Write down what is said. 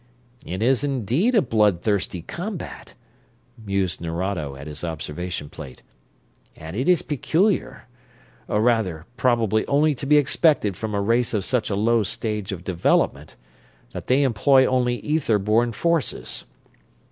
"It is indeed a blood thirsty combat," mused Nerado at his observation plate. "And it is peculiar or rather, probably only to be expected from a race of such a low stage of development that they employ only ether borne forces.